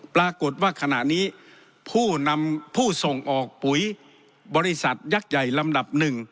ปรากฏว่าขณะนี้ผู้นำผู้ส่งออกปุ๋ยบริษัทยักษ์ใหญ่ลำดับหนึ่ง